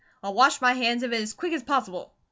I'll wash my hands of it as quick as possible."